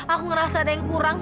aku ngerasa ada yang kurang